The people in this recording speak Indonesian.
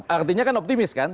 artinya kan optimis kan